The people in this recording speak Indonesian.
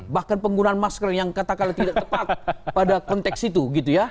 bahkan penggunaan masker yang katakan tidak tepat pada konteks itu